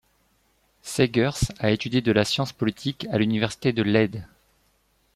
Segers a étudié de la science politique à l'Université de Leyde.